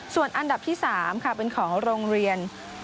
ส่วนอันดับที่๓ค่ะเป็นของโรงเรียน